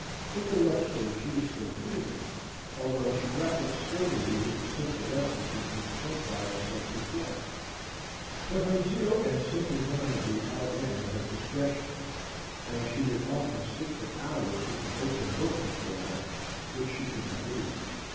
Intellectually she was still feeble, although she grappled sturdily with the simple lessons which Miss Portfire set before her. But her zeal and simple vanity outran her discretion, and she would often sit for hours with an open book before her, which she could not read.